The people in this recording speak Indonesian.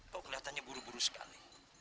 kok kelihatannya buru buru sekali